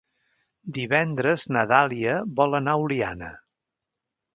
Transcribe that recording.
Divendres na Dàlia vol anar a Oliana.